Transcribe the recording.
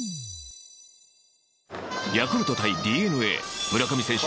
ヤクルト対ＤｅＮＡ村上選手